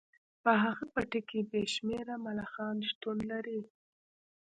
په هغه پټي کې بې شمیره ملخان شتون لري